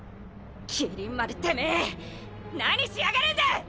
麒麟丸てめえ何しやがるんだ！